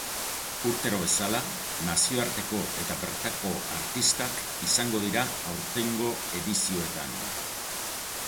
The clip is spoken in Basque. Urtero bezala, nazioarteko eta bertako artistak izango dira aurtengo edizioetan.